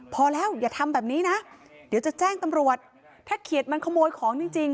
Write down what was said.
พอแล้วอย่าทำแบบนี้นะเดี๋ยวจะแจ้งตำรวจถ้าเขียดมันขโมยของจริงจริง